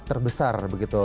negara dengan startup terbesar